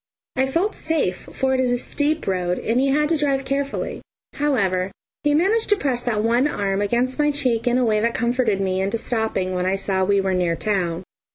I felt safe, for it is a steep road, and he had to drive carefully. However, he managed to press that one arm against my cheek in a way that comforted me into stopping when I saw we were near town.